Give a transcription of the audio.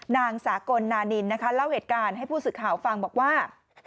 นางสากลนานินนะคะเล่าเหตุการณ์ให้ผู้สื่อข่าวฟังบอกว่า